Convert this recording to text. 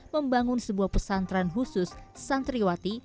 membangun sebuah pesantren khusus santriwati